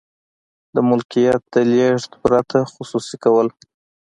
د ملکیت د لیږد پرته خصوصي کول.